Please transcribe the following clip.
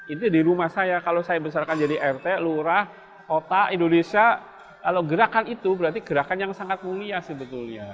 itu di rumah saya kalau saya besarkan jadi rt lurah kota indonesia kalau gerakan itu berarti gerakan yang sangat mulia sebetulnya